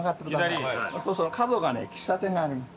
そうすると角がね喫茶店があります。